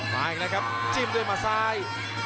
มาอีกแล้วครับจิ้มด้วยมาซ้าย